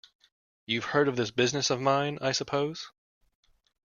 You've heard of this business of mine, I suppose?